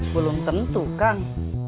belum tentu kang